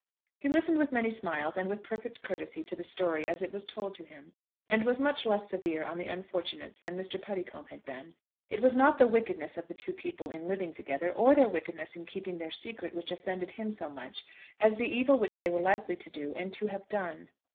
He listened with many smiles and with perfect courtesy to the story as it was told to him, and was much less severe on the unfortunates than Mr. Puddicombe had been. It was not the wickedness of the two people in living together, or their wickedness in keeping their secret, which offended him so much, as the evil which they were likely to do, and to have done.